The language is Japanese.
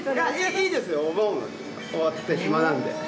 いいですよ。お盆終わって暇なので。